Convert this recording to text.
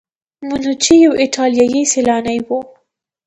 منوچي یو ایټالیایی سیلانی و.